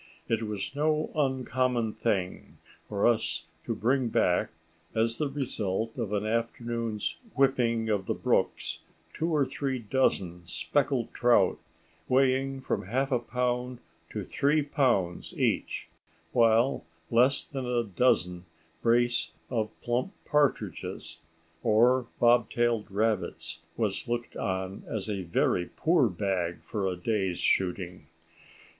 It was no uncommon thing for us to bring back, as the result of an afternoon's whipping of the brooks, two or three dozen speckled trout weighing from half a pound to three pounds each, while less than a dozen brace of plump partridges or bob tailed rabbits was looked on as a very poor bag for a day's shooting.